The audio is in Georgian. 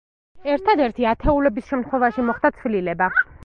ერთადერთი ათეულების შემთხვევაში მოხდა ცვლილება.